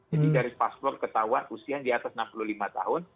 jadi dari paspor ketahuan usia di atas enam puluh lima tahun